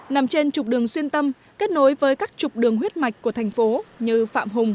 nằm trên trục đường xuyên tâm kết nối với các trục đường huyết mạch của thành phố như phạm hùng